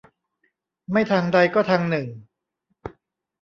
ไม่ทางใดก็ทางหนึ่ง